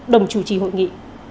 đồng chủ trì hội nghị